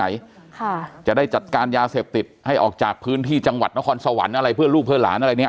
ค่ะจะได้จัดการยาเสพติดให้ออกจากพื้นที่จังหวัดนครสวรรค์อะไรเพื่อลูกเพื่อหลานอะไรเนี้ย